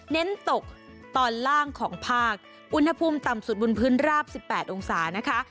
เน้นตกตอนล่างของภาคอุณหภูมิต่ำสุดบนพื้นราบ๑๘องศานะคะ